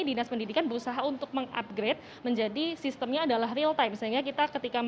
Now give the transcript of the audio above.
dinas pendidikan berusaha untuk mengupgrade menjadi sistemnya adalah real time sehingga kita ketika